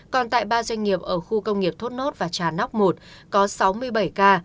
còn tại ba doanh nghiệp ở khu công nghiệp thốt nốt và trà nóc một có sáu mươi bảy ca